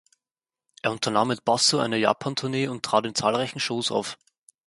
Er unternahm mit Basso eine Japantournee und trat in zahlreichen Shows auf.